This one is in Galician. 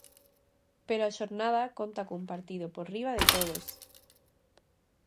Pero a xornada conta cun partido por riba de todos.